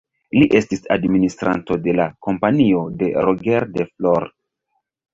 Li estis administranto de la Kompanio de Roger de Flor.